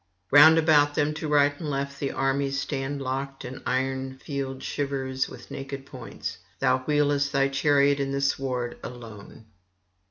Round about them to right and left the armies stand locked and the iron field shivers with naked points; thou wheelest thy chariot on the sward alone.'